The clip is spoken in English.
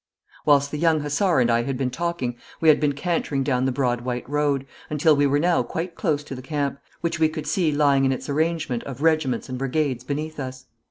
Whilst the young hussar and I had been talking we had been cantering down the broad white road, until we were now quite close to the camp, which we could see lying in its arrangement of regiments and brigades beneath us.